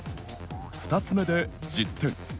２つ目で１０点。